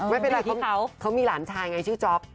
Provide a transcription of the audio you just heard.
ไม่เป็นไรเขามีหลานชายไงชื่อจ๊อป